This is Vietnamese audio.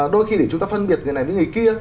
đôi khi để chúng ta phân biệt người này với người kia